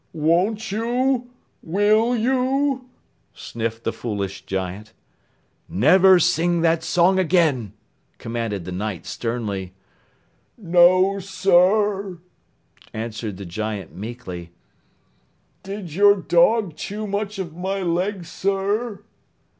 "Won't you? Will you?" sniffed the foolish giant. "Never sing that song again!" commanded the Knight sternly. "No, Sir," answered the giant meekly. "Did your dog chew much of my leg, Sir?"